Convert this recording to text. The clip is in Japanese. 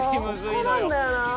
ここなんだよなあ。